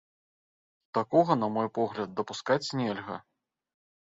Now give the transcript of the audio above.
Такога, на мой погляд, дапускаць нельга.